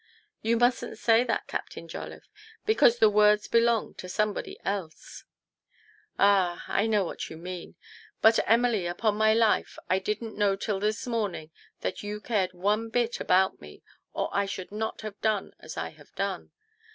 You mustn't say that, Captain Jolliffe ; because the words belong to somebody else." TO PLEASE HIS WIFE. in u Ah ! I know what you mean. But, Emily, upon my life I didn't know till this morning that you cared one bit about rne, or I should not have done as I have done.